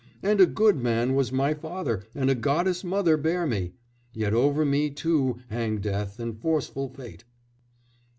and a good man was my father and a goddess mother bare me. Yet over me too hang death and forceful fate."